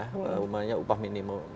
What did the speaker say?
namanya upah minimum